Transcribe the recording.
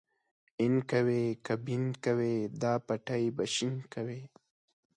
اين کوې که بېن کوې دا پټی به شين کوې.